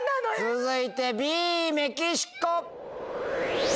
続いてＢ「メキシコ」。